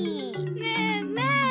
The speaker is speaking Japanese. ねえねえ！